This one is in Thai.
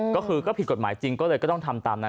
ก็คือก็ผิดกฎหมายจริงก็เลยก็ต้องทำตามนั้น